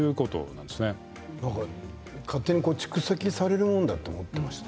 なんか勝手に蓄積されるものだと思っていました。